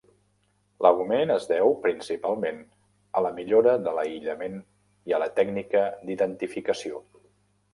L"augment es deu principalment a la millora de l"aïllament i a la tècnica d"identificació.